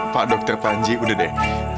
pak dr panji udah deh